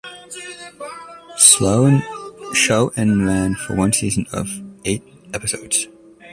Show, and ran for one season of eight episodes.